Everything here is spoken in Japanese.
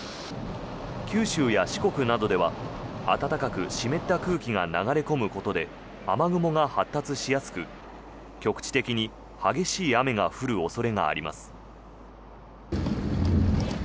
九州や四国などでは暖かく湿った空気が流れ込むことで雨雲が発達しやすく、局地的に激しい雨が降る恐れがあります。